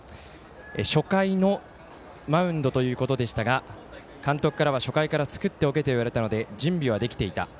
初回のマウンドということでしたが監督からは初回から作っておけと言われていたので準備はできていた。